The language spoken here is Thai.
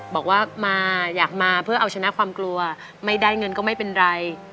บอกว่ามาอยากมาเพื่อเอาชนะความกลัวไม่ได้เงินก็ไม่เป็นไร